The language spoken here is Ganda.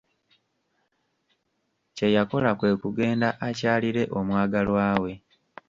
Kye yakola kwe kugenda akyalire omwagalwa we.